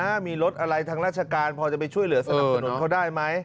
มีรถอะไรทางราชการพอจะไปช่วยเหลือสนับสนุนเขาได้ไหม